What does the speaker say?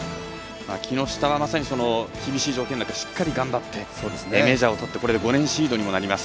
木下はまさに厳しい条件の中しっかり頑張ってメジャーをとって５年シードにもなります。